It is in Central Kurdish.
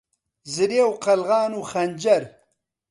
زرێ و قەلغان و خەنجەر